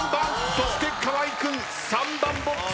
そして河合君３番ボックス。